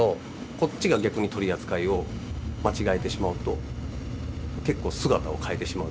こっちが逆に取り扱いを間違えてしまうと結構姿を変えてしまうというか。